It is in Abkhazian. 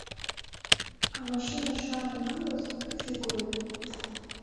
Амашьына шаангылаз абжьы гоит.